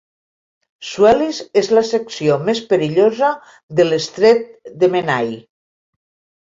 Swellies és la secció més perillosa de l'estret de Menai.